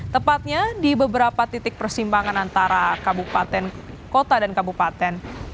tepatnya di beberapa titik persimpangan antara kabupaten kota dan kabupaten